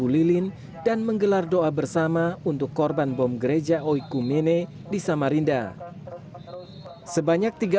lilin dan menggelar doa bersama untuk korban bom gereja oiku mine di samarinda sebanyak tiga